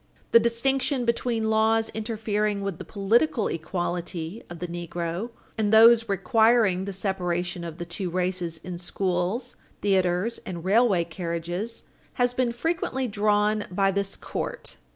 The distinction between laws interfering with the political equality of the negro and those requiring the separation of the two races in schools, theatres and railway carriages has been frequently drawn by this court.